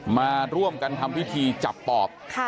มาร่วมกันทำพิธีจับปอบ